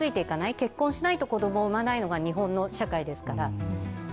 結婚しないと子どもを産まないのが日本の社会ですから。